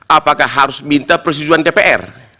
apakah harus minta persetujuan dpr